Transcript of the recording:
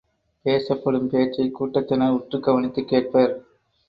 பேசப்படும் பேச்சைக் கூட்டத்தினர் உற்றுக் கவனித்து கேட்பர்.